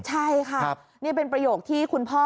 ใช่ค่ะนี่เป็นประโยคที่คุณพ่อ